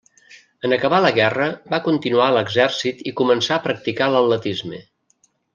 En acabar la guerra va continuar a l'exèrcit i començà a practicar l'atletisme.